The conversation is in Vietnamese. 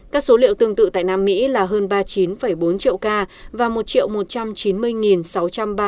các số liệu tương tự tại nam mỹ là hơn ba mươi chín bốn triệu ca và một một trăm chín mươi sáu trăm ba mươi ca